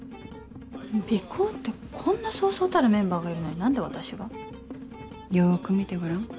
尾行ってこんなそうそうたるメンバーがいるのに何で私が？よく見てごらん。